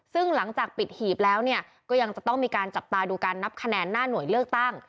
ซึ่งหลังจากปิดหีบแล้วเนี่ยก็ยังจะต้องมีการจับตาดูการนับคะแนนหน้าหน่วยเลือกตั้ง